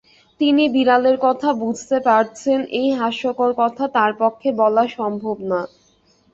তিনি বিড়ালের কথা বুঝতে পারছেন, এই হাস্যকর কথা তাঁর পক্ষে বলা সম্ভব না।